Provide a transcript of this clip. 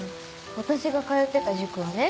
私が通ってた塾はね